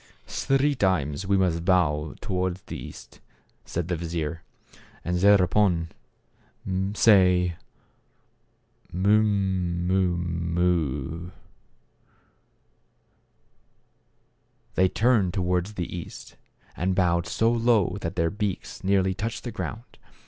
" Three times we must bow towards the east," said the vizier, "and thereupon say — Mu mu mu "— They turned toward the east and bowed so low that their, beaks nearly touched the ground.